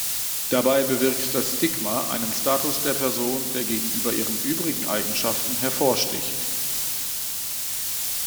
Dabei bewirkt das Stigma einen Status der Person, der gegenüber ihren übrigen Eigenschaften hervorsticht.